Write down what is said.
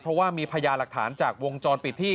เพราะว่ามีพยาหลักฐานจากวงจรปิดที่